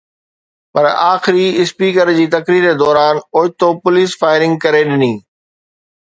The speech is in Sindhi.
پر آخري اسپيڪر جي تقرير دوران اوچتو پوليس فائرنگ ڪري ڏني